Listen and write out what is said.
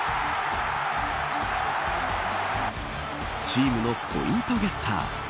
チームのポイントゲッター。